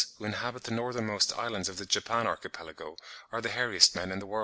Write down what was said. who inhabit the northernmost islands of the Japan Archipelago, are the hairiest men in the world.